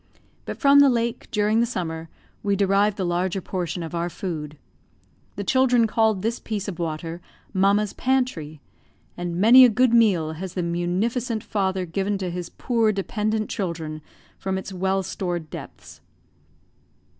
But from the lake, during the summer, we derived the larger portion of our food. The children called this piece of water "Mamma's pantry"; and many a good meal has the munificent Father given to his poor dependent children from its well stored depths.